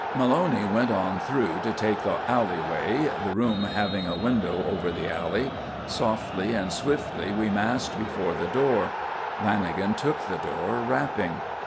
Maloney went on through to take the alleyway, the room having a window over the alley. Softly and swiftly we massed before the door. Lanagan took the door, rapping.